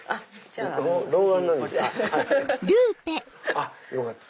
あっよかった。